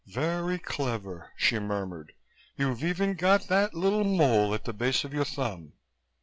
"Very clever," she murmured. "You've even got that little mole at the base of your thumb."